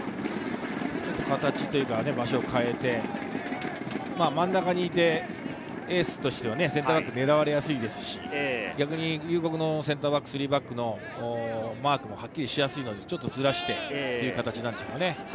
ちょっと場所を変えて、真ん中にいてエースとしてはセンターバックに狙われやすいですし、龍谷のセンターバックのマークもはっきりしやすいので、ちょっとずらしてという形なのでしょう。